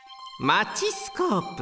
マチスコープ。